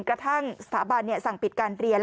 พลายาฮพรานและเริ่ม